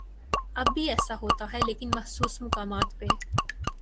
اب بھی ایسا ہوتا ہے لیکن مخصوص مقامات پہ۔